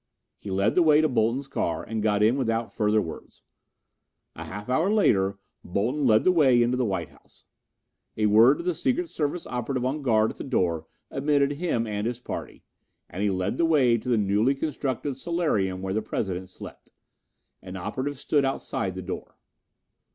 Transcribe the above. He led the way to Bolton's car and got in without further words. A half hour later, Bolton led the way into the White House. A word to the secret service operative on guard at the door admitted him and his party, and he led the way to the newly constructed solarium where the President slept. An operative stood outside the door.